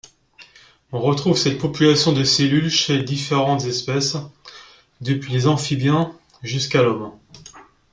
On retrouve cette population de cellules chez différentes espèces, depuis les amphibiens jusqu'à l'homme.